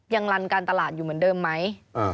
ลันการตลาดอยู่เหมือนเดิมไหม